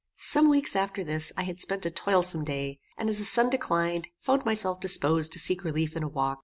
Some weeks after this I had spent a toilsome day, and, as the sun declined, found myself disposed to seek relief in a walk.